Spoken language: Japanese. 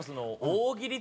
大喜利